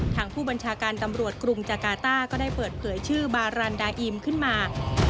ทางผู้บัญชาการตำรวจกรุงจากาต้าก็ได้เปิดเผยชื่อบารันดาอิมขึ้นมา